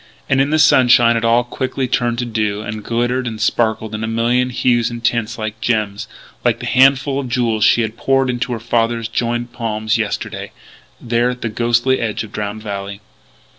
And, in the sunshine, it all quickly turned to dew, and glittered and sparkled in a million hues and tints like gems like that handful of jewels she had poured into her father's joined palms yesterday there at the ghostly edge of Drowned Valley.